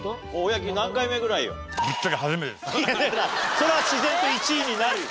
そりゃあ自然と１位になるよ。